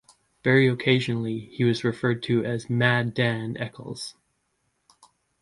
Very occasionally, he was referred to as 'Mad Dan' Eccles.